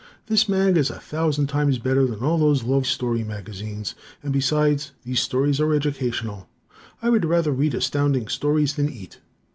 This mag is a thousand times better than all those love story magazines, and besides these stories are educational. I would rather read Astounding Stories than eat.